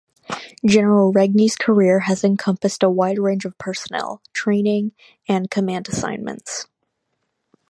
General Regni's career has encompassed a wide range of personnel, training and command assignments.